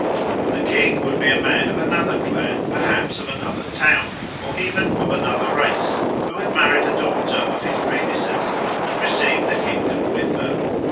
The king would be a man of another clan, perhaps of another town or even of another race, who had married a daughter of his predecessor and received the kingdom with her.